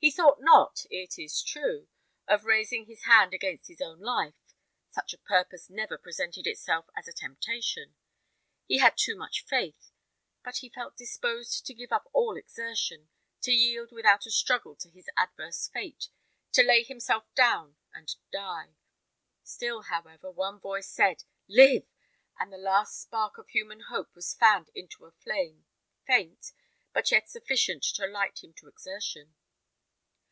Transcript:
He thought not, it is true, of raising his hand against his own life; such a purpose never presented itself as a temptation. He had too much faith; but he felt disposed to give up all exertion, to yield without a struggle to his adverse fate, to lay himself down and die. Still, however, one voice said, "Live!" and the last spark of human hope was fanned into a flame, faint, but yet sufficient to light him to exertion.